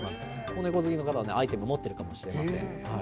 猫好きの方はこういうアイテム持っているかもしれません。